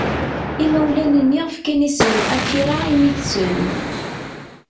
Imawlan-nni fkan isem n Akira i mmi-tsen.